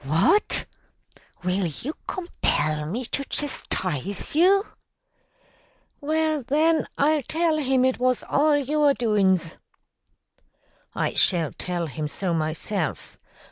"What! Will you compel me to chastise you?" "Well, then, I'll tell him it was all your doin's." "I shall tell him so myself.